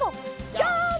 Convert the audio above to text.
ジャンプ！